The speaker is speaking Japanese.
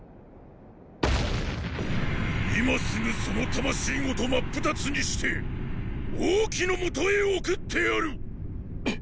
今すぐその魂ごと真っ二つにして王騎の元へ送ってやる！！